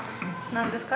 何ですか？